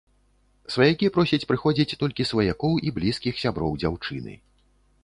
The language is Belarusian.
Сваякі просяць прыходзіць толькі сваякоў і блізкіх сяброў дзяўчыны.